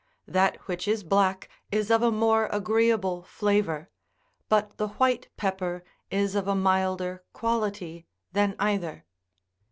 That which is black is of a more agreeable flavour ; but the white pepper is of a milder quality than either.